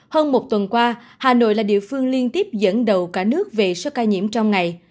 hơn một tuần qua hà nội là địa phương liên tiếp dẫn đầu cả nước về số ca nhiễm trong ngày